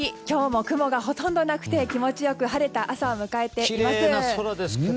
今日も雲がほとんどなくて気持ちよく晴れた朝を迎えています。